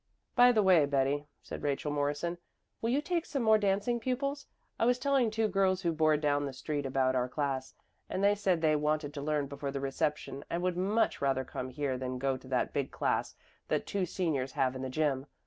"By the way, Betty," said Rachel Morrison, "will you take some more dancing pupils? I was telling two girls who board down the street about our class and they said they wanted to learn before the reception and would much rather come here than go to that big class that two seniors have in the gym.